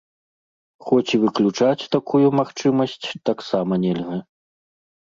Хоць і выключаць такую магчымасць таксама нельга.